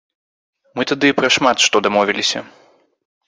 Мы тады пра шмат што дамовіліся.